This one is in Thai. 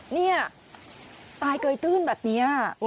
นี่ตายเกยตื้นแบบนี้